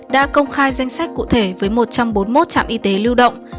đã công khai danh sách cụ thể với một trăm bốn mươi một trạm y tế lưu động